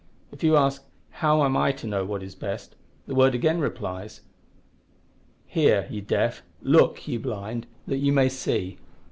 If you ask, `How am I to know what is best?' the Word again replies, `hear, ye deaf; look, ye blind, that you may see.'